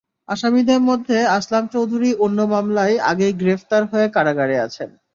আসামিদের মধ্যে আসলাম চৌধুরী অন্য মামলায় আগেই গ্রেপ্তার হয়ে কারাগারে আছেন।